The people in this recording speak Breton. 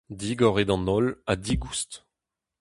Digor eo d'an holl ha digoust.